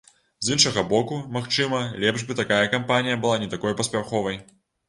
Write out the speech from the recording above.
З іншага боку, магчыма, лепш бы тая кампанія была не такой паспяховай.